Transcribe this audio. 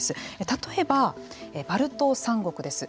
例えばバルト三国です。